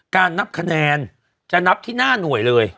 นับคะแนนจะนับที่หน้าหน่วยเลย